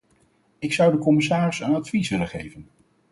Ik zou de commissaris een advies willen geven.